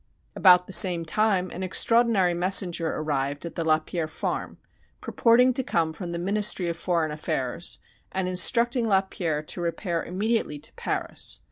About the same time an extraordinary messenger arrived at the Lapierre farm, purporting to come from the Ministry of Foreign Affairs, and instructing Lapierre to repair immediately to Paris.